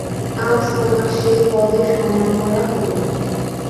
আজ তোমার সেই পদের সম্মান করা হল।